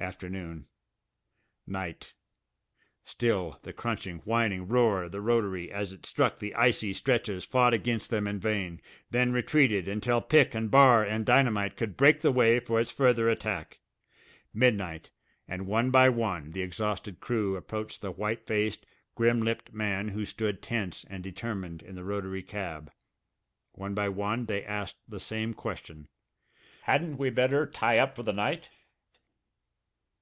Afternoon ... night. Still the crunching, whining roar of the rotary as it struck the icy stretches fought against them in vain, then retreated until pick and bar and dynamite could break the way for its further attack. Midnight, and one by one the exhausted crew approached the white faced, grim lipped man who stood tense and determined in the rotary cab. One by one they asked the same question: "Hadn't we better tie up for the night?"